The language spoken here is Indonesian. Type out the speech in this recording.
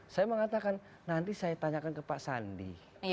saya mengatakan nanti saya tanyakan ke pak sandi